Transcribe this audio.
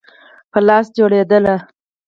په لاس جوړېدل.